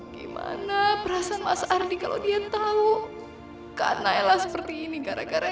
gimana perasaan mas ardi kalau dia tahu kak nela seperti ini gara gara dia